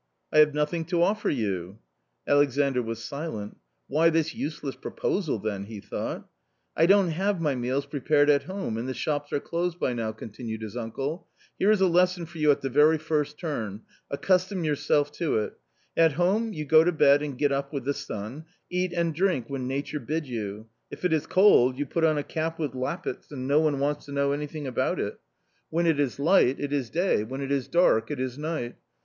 " I nave nothing to offer you. Alexandr was TiTf nr " Why this nsffiltrss prnpmal then?" h e tho ught. " I fl ohTTiave my meals p repared at home, and the shops ar e closecT dv now/ cont inueg ^TTmcte: •^" Il e ie irrr tesson fo f you at the very first turn — a ccustom yourself fo"itT "At h6me you go to bed ana get up With the SUn,~eat"and drink when nature bid you ; if it is cold, you put on a cap with lappets and no one wants to know anything about it ; when +' 44 A COMMON STORY it is light, it is. day, when it is dark, it is night.